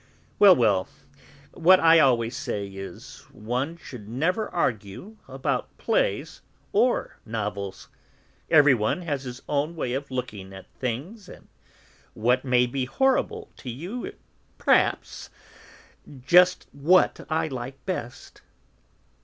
Well, well, what I always say is, one should never argue about plays or novels. Everyone has his own way of looking at things, and what may be horrible to you is, perhaps, just what I like best."